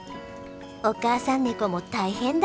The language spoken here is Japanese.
お母さんネコも大変だ。